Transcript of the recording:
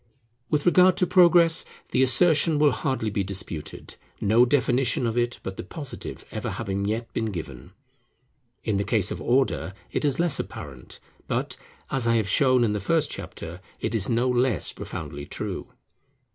With regard to Progress, the assertion will hardly be disputed, no definition of it but the Positive ever having yet been given. In the case of Order, it is less apparent; but, as I have shown in the first chapter, it is no less profoundly true.